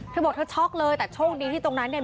เธอบอกเธอช็อกเลยแต่โชคดีที่ตรงนั้นเนี่ย